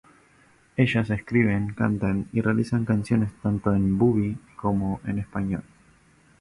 Ellas escriben, cantan y realizan canciones tanto en bubi como en español.